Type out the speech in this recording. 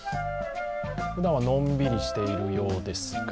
ふだんはのんびりしているようですが。